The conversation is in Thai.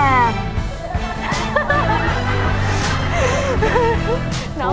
แล้วแต่